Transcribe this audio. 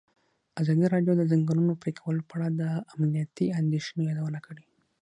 ازادي راډیو د د ځنګلونو پرېکول په اړه د امنیتي اندېښنو یادونه کړې.